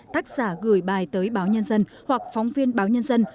tác giả gửi bài tới báo nhân dân hoặc phóng viên báo nhân dân